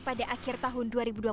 pada akhir tahun dua ribu dua puluh